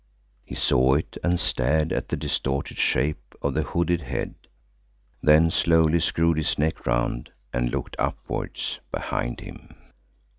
He saw it and stared at the distorted shape of the hooded head, then slowly screwed his neck round and looked upwards behind him.